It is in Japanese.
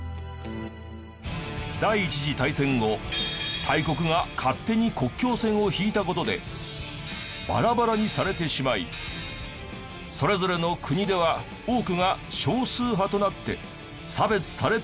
第一次大戦後大国が勝手に国境線を引いた事でバラバラにされてしまいそれぞれの国では多くが少数派となって差別され続けてきた。